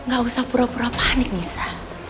gak usah pura pura panik misa